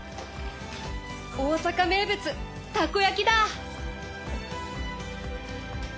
大阪名物たこやきだ。